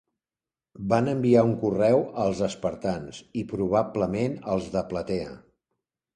Van enviar un correu als espartans i probablement als de Platea.